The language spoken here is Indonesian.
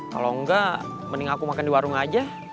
kalau enggak mending aku makan di warung aja